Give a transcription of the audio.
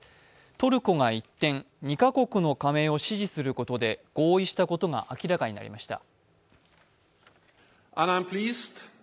トルコが一転、２カ国の加盟を支持することで合意したことが明らかになりました。